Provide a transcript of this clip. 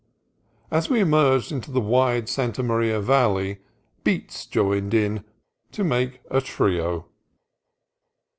As we emerged into the wide Santa Maria Valley, beets joined in to make a trio.